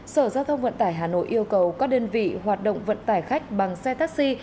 sở giao thông vận tải hà nội yêu cầu các đơn vị hoạt động vận tải khách bằng xe taxi